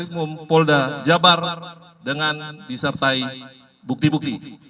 pembangunan polda dajabar dengan disertai bukti bukti